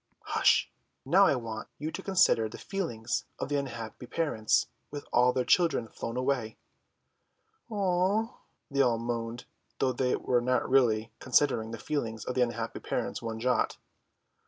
"Hush. Now I want you to consider the feelings of the unhappy parents with all their children flown away." "Oo!" they all moaned, though they were not really considering the feelings of the unhappy parents one jot.